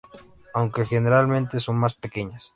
Aunque generalmente son más pequeñas.